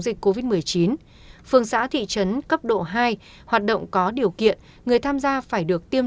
dịch covid một mươi chín phường xã thị trấn cấp độ hai hoạt động có điều kiện người tham gia phải được tiêm